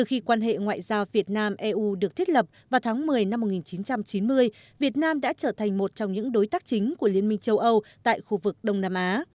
khi quan hệ ngoại giao việt nam eu được thiết lập vào tháng một mươi năm một nghìn chín trăm chín mươi việt nam đã trở thành một trong những đối tác chính của liên minh châu âu tại khu vực đông nam á